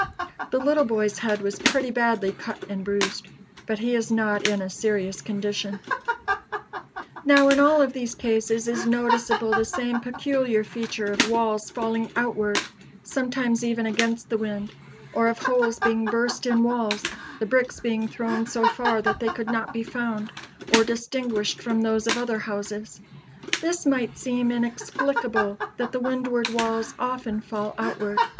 The little boy's head was pretty badly cut and bruised, but he is not in a serious condition." Now, in all of these cases is noticeable the same peculiar feature of walls falling outward, sometimes even against the wind: or of holes being burst in walls, the bricks being [Illustration: CORNER JEFFERSON AND TWELFTH STREETS, LOUISVILLE.] thrown so far that they could not be found, or distinguished from those of other houses. This might seem inexplicable that the windward walls often fall outward.